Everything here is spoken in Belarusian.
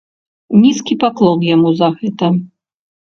Нізкі паклон яму за гэта!